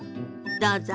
どうぞ。